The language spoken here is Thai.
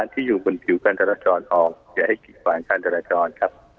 ที่อยู่บนภื่องวก้านทรัพย์จอนออกจะให้กินฝั่งจ๊ะ